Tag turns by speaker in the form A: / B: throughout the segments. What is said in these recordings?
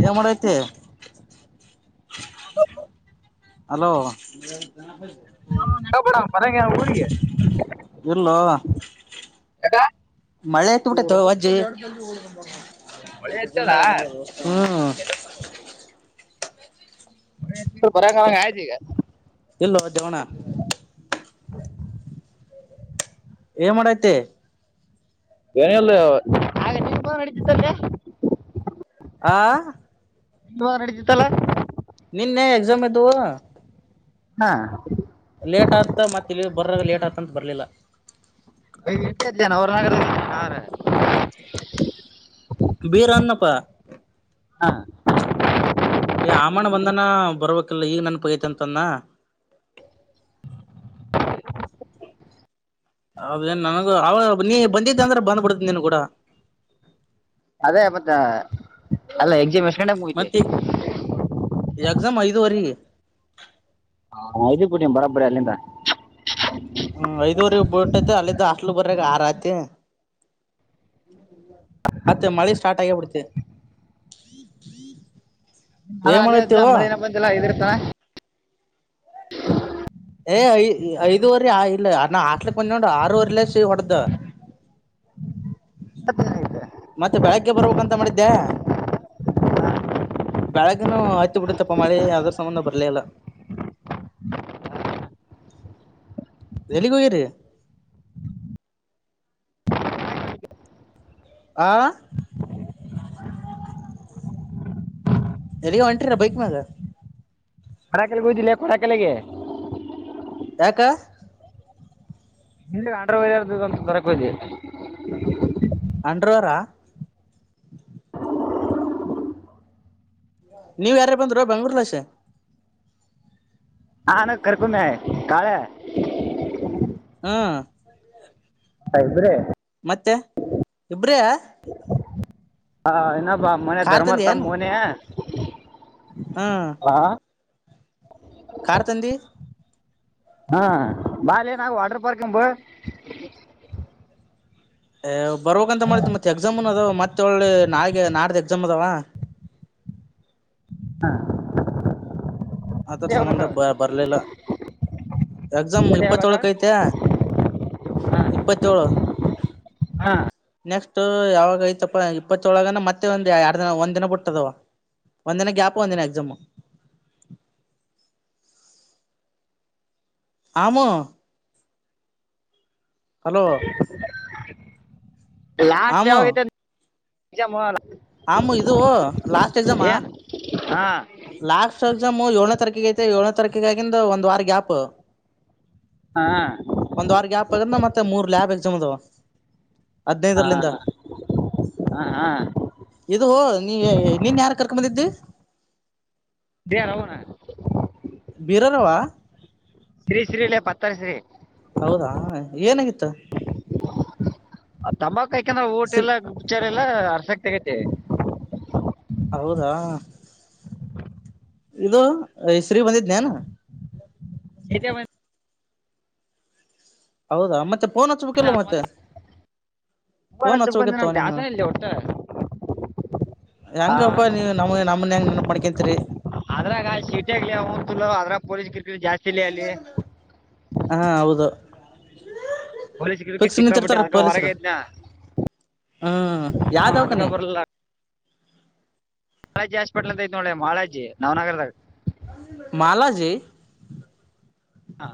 A: ನಿ ಮಾಡ ಐತೆ
B: ಹಲ
A: ಹಲೋ
B: ಬಡ ಬರಗೆ ಊಿಗೆ
A: ಇಲ್ಲೋ ಮಳೆ ಇಟ್ಟಬಟತ್ತು ಅಜ್ಜಿ
B: ಮಳೆ ಹತ್ತದ
A: ಹ್ಮ್
B: ಮ ಬರಖಗ
A: ಎಲ್ಲೋ ಜವನ
B: ಹ
A: ಏ ಮಾಡಡತೆ
B: ನಲ್ಲ ಹಾಗ ನಡತ
A: ಆಾ
B: ಾರ ನಡಿದಿತ್ತಲ್ಲ
A: ನಿನ್ನೆ ಎಕ್ಸಾಮ್ ಇದ್ದುವ
B: ಹಾ
A: ಲೇಟ್ ಆತ ಮತ್ತ ಇ ಬರಾಗ ಲೇಟ್ ಆತ ಅಂತ ಬರ್ಲಿಲ್ಲ
B: ಎಟ ಇದ್ದೇಾನ ಅವ್ರ ನಗರ ಯ
A: ಬೇರಣನ್ನಪ್ಪ
B: ಹಾ
A: ಆಮಾನ ಬಂದನ ಬರ್ಬೇಕಲ್ಲ ಈಗ ನೆನ್ಪಗೈತಿ ಅಂತನ್ನ ಅದೇ ನನಗ ಅವ ನೀ ಬಂದಿದ್ದೆ ಅಂದ್ರೆ ಬಂದ್ಬಿಡತ ನೀನು ಕೂಡ
B: ಅದೇ ಮತ್ತ ಅಲ್ಲ ಎಕ್ಸಿಮಷನ್
A: ಮತ್ತೆ ಎಕ್ಸಾಮ್ ಐದು ಹ ರಿ
B: ಹಾ ಇದ ಪುಡಿ ಬರಬ್ಬರಿ ಅಲ್ಲಿಂದ
A: ಹ್ಮ್ ಐದಊರಿಗೆ ಬಿಟೈತೆ ಅಲ್ಲಿಿದ್ದ ಬರ್ರ ಆರತ ಅತ್ತ ಮಳೆ ಸ್ಟಾರ್ಟ್ ಆಗ ಬಿಡ್ತು ಹ ಹ
B: ಹಾ ಅಲ್ಲಿ ಅಮ್ಮಳ ನಪ್ಪಲ್ಲ ಇದ್ರೆ ಹ
A: ಏ ಐ ಐದುವರಿ ಇಲ್ಲ ನಾ ಆಟ್ಲಕ್ಕ ಬಂದ್ ನೋೊಂಡ ಆರವರೆಲ್ಲಸ ಹೊಡೆ್ದ
B: ಮತ್ತೆ ಏನೆ
A: ಮತ್ತೆ ಬೆಳಗ್ಗೆ ಬರ್ಬೇಕಂತ ಮಾಡಿದ್ದೆ ಬೆಳಗ್ನು ಆಯ್ತಿ ಬಿಟ್ಟ ತಪ್ಪ ಮಾಡಿ ಯದ್ರ ಸಂಬಂಧ ಬರ್ಲಿಲ್ಲ ಎಲ್ಲಿಗರಿ ಆ ಎಲ್ಲಿಗ ಹೊಂಟ್ರಿರ ಬೈಕ್ ಮ್ಯಾಗ
B: ಹೊರ ಕೆಲ್ಗೆ ಹೋಗದಿಲ್ಲ ಕೊರಾ ಕೆಲೆಗೆ
A: ಕ.
B: ನಿ ಹ್ರ ವಂತ ಬರಕ್ ಹದ
A: ಅಂಡವಾರಾ ನೀವ ಯಾರ ಬಂದರು ಬೆಂಗ್ಳೂರ್ಲಸೆ
B: ಹಾಾನ ಕರ್ಕುಮ ಕಾಳ
A: ಹಾ ಸಳ್ಳ
B: ಹಯಬ್ರೆ
A: ಮತ್ತೆ ಇಬ್ರೇ
B: ಹಾ ಇ. ಬಾ ಮೊನೆ ಧರ್ಮರ್ಥ ಮೊನ. ಹ
A: ಹಾ ಕಾರ್ ತಂದ
B: ಹಾ ಬಾಲ್ ಏನಾಗ ವಾಟರ್ ಪಾರ್ಕ್ ಅಂಬ
A: ಹ ಬರುವ ಅಂತ ಮಾಡ್ತ ಮತ್ತ ಎಕ್ಸಾಮ್ ಅ. ಮತ್ತ ಒೇಳು ನಾಳಿಗೆ ನಾಡ್ದ ಎಕ್ಸಾಮ್ ಅದಾವ
B: ಹಾ
A: ಆಥರ ಸಂಬಂಧ ಬ ಬರ್ಲಿಲ್ಲ ಎಕ್ಸಾಮ್
B: ಜೊತೆ ಹೋಗತ್ತಾವ
A: ಇಪ್ಪತ್ತಏೇಳಕ ಐತ
B: ಹಾ
A: ಇಪ್ಪತ್ತಳು
B: ಹಾ
A: ನೆಕ್ಸ್ಟ್ ಯಾವಾಗ ಐತಪ್ಪ ಇಪ್ಪತ್ತೊಳಗ ಮತ್ತೆ ಒಂದ ಎರಡು ದಿನ ಒಂದ್ ದಿನ ಬಿಟ್ಟದವ ಒಂದಿನ ಗ್ಯಾಪ್ ಒಂದಿನ ಎಕ್ಸಾಮ್ ಆಮ ಹಲೋ
B: ಲಾಸ್ಟ್ ಯಾವಾಗೈ ನಿಜ ಮ.
A: ಆಮ್ಮ ಇದು ಲಾಸ್ಟ್ ಎಕ್ಸಾಮಾ
B: ಏನು ಹಾ
A: ಲಾಸ್ಟ್ ಮ್ಮ ಏಳನ ತಾರಕಿಗೆ ಐತೆ ಏಳನೇ ತಾರೀಕಕ್ ಆಗಂದ ಒಂದ್ ವಾರ ಗ್ಯಾಪ್
B: ಹಾ
A: ಒಂದ್ ವರ್ಗ ಆಾಪ್ ಆಗದನ ಮತ್ತೆ ಮೂರ್ ಲಲ್ಯಾಪ್ ಎಕ್ಸಮದು
B: ಹಾ ಹಾ ಹಾ
A: ಇದು ನೀ ನೀನ್ ಯಾರು ಕರ್ಕಂದಿದ್ದ ಇದು
B: ಇದೇರಾಮಣ
A: ಬೀರರವ
B: ಸಿರೀ ಸಿರಿಲ್ಲ ಪತ್ತರ ಸಿ್ರೀ
A: ಹೌದಾ ಏನಾಗಿತ್ತು
B: ತಮ್ಮಕ ಯಾಕಂದ್ರೆ ಊಟ
A: ಸರಿ
B: ಎಲ್ಲ ಗುಪ್ಚಾರ ಎಲ್ಲ ಶಕ್ತಿಗತೆ
A: ಹೌದಾ ಇದು ಹೆಸ್ರೀ ಬಂದಿದ್ನಾನ
B: [unintelligible]
A: ಹೌದಾ ಮತ್ತೆ ಫೋನ್ ಹಚ್ಬೇಕಲ್ಲ ಮತ್ತೆ
B: ಅನುಮತಿ ತುಂಬಾನ
A: ಫೋನ್
B: ಚುಪ್ಕೊಂಡಿ
A: ಹಚ್ಬೇಕತ್ತವ
B: ನಮ್
A: ನೀನು
B: ಬ್ಯಾಸನ ಇಲ್ಲಿ ಒಟ್ಟ ಆ
A: ಹೆಂಗಪ್ಪ ನೀ ನಮ್ಮ ಹೆ ಕೇಂದ್ರರೆ
B: ಅದ್ರಾಗ ಸೀಟಾಗಾವ ಅದ್ರಾಗ ಪೊಲೀಸ್ ಗಿ
A: ಹಾ ಹೌದು
B: ಹೋಲಿ ಸಿಕ್ಕ
A: ಫಿಕ್ಸ್
B: ಸಿಕ್ಕಾ ಬಿಟ್ಟೆ
A: ನಿಂತಿರ್ತಾರ
B: ಅದಕ ಹೊರಗ
A: ಪೊಲೀಸರು
B: ಇದ್ನ
A: ಹ್ಮ್ ಯಾವ್ದ
B: ಹ ಅದಕ
A: ದವಾಖಾನಿ
B: ಬರ್ಲ್ಲ ಾಸ್ಪಿಲ್ದ ಐತೆ ನೋೆ ಮಾಾಳಾಜಿ ನವನಗರದ
A: ಮಾಲಜಿ
B: ಹ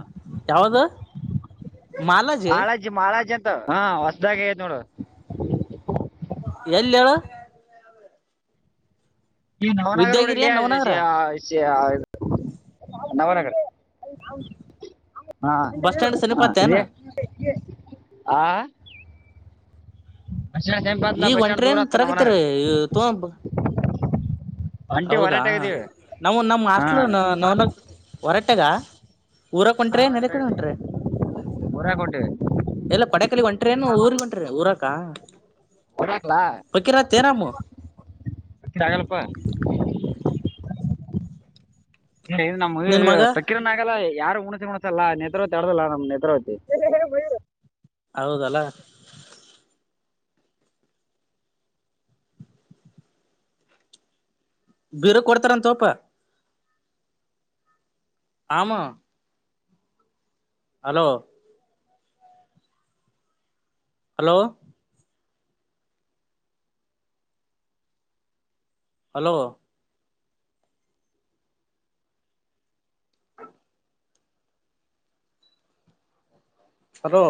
A: ಮಾಲಾಜಿ
B: ಮಹಾರಾಜ ಮಹಾರಾಜ ಹಾ ಹೊಸ್ದಾಗ ನೋಡು
A: ಎಲ್ಲಿ ಹೇಳ
B: ಈ ನವನಗರ ರೋಡ
A: ವಿದ್ಯಾಗಿರಿ ಏನ್ ನವನಗರ
B: ನವನಗರ್ ಹ
A: ಬಸ್ ಸ್ಟ್ಯಾಂಡ್ ಸಮೀಪತ್ತ ಏನ್
B: ಇದೆ ಹ
A: ಈಗ
B: ಸ್ಟ್ಯಾಂಡ್
A: ಒಂಟ್ರ
B: ದೂರ
A: ಏನ್
B: ಆತ ನವನಗರ
A: ತರಕತಿರಿ ತೋ
B: ಅಂಟಿ
A: ಹೌದಾ
B: ಹೊರಟಾಗ ಇದೀವಿ
A: ನಾ ನಮ್ಮ
B: ಹಾ
A: ಹಸ್ಲ್ ನ ಹೊರ ಅಷ್ಟಗ ಊರಕ್
B: ಹಾ
A: ಹೊಂಟ್ರೆ ನರೆಕಲ್
B: ಹೊರಟಾಗಿದೀವಿ
A: ಹೊಂಟ್ರ
B: ಊರಾಗ ಹೊಂಟಿವಿ
A: ಎಲ್ಲ ಪಡಕಲಿ ಹೊಂಟ ಟ್ರೇನು ಊರ್ ಬಂಟ್ರೆ ಊರಾಕ
B: ರಕ್ಲಾ ಆಗಲ್ಪ ನಮಗ
A: ನಿನ್ ಮಗ
B: ಪ್ರಕಿರಣನ್ ಆಗಲ್ಲ ಯಾರು ಉಣಸ ಮುಣಸಲ್ಲಾ ನೇತ್ರಾವತಿ ಅಡ್ದಲ್ಲ ನಮ್ ನೇತ್ರಾವತಿ
A: ಹೌದಲ್ಲ ಬಿರು ಕೊಡ್ತಾರಂತಪ್ಪ ಆಮ ಹಲೋ ಹಲೋ ಹಲೋ ಅಲೋ